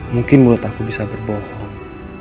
mungkin mulut aku bisa berbohong